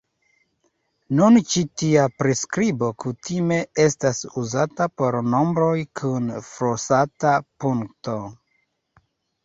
Nun ĉi tia priskribo kutime estas uzata por nombroj kun flosanta punkto.